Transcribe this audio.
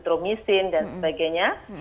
citromisin dan sebagainya